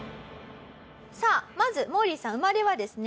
さあまずモーリーさん生まれはですね